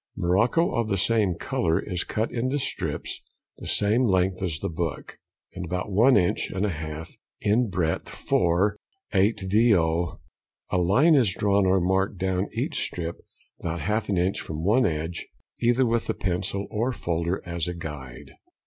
Morocco of the same colour is cut into strips the same length as the book, and about one inch and a half in breadth for 8vo.; a line is drawn or marked down each strip about half an inch from one edge, either with a pencil or folder, as a guide.